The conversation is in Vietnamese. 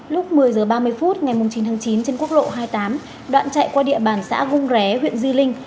lúc một mươi h ba mươi phút ngày chín tháng chín trên quốc lộ hai mươi tám đoạn chạy qua địa bàn xã vung ré huyện di linh